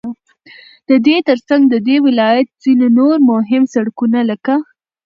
ددې ترڅنگ ددې ولايت ځينو نور مهم سړكونه لكه: